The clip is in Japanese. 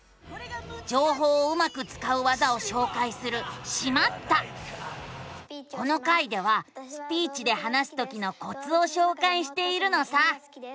じょうほうをうまくつかう技をしょうかいするこの回ではスピーチで話すときのコツをしょうかいしているのさ。